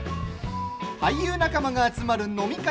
俳優仲間が集まる飲み会